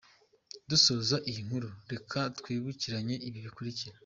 Dusoza iyi nkuru reka twibukiranye ibi bikurikira: .